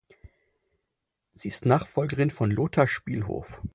Sie ist Nachfolgerin von Lothar Spielhof.